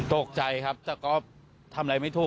ตกใจครับแต่ก็ทำอะไรไม่ถูก